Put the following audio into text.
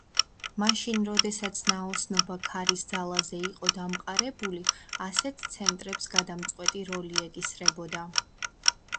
მაშინ, როდესაც ნაოსნობა ქარის ძალაზე იყო დამყარებული, ასეთ ცენტრებს გადამწყვეტი როლი ეკისრებოდა.